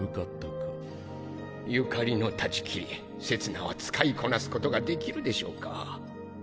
所縁の断ち切りせつなは使いこなすことができるでしょうか？